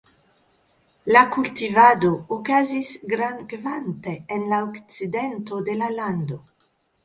La kultivado okazis grandkvante en la okcidento de la lando.